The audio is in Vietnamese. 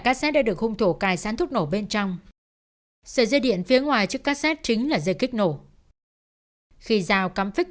khi xong xôi mọi việc